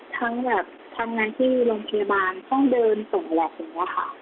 ทั้งทำงานที่โรงพยาบาลต้องเดินตรงแหลกหัวค่ะ